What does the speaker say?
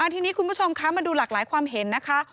ทีนี้คุณผู้ชมคะมาดูหลากหลายความเห็นนะคะ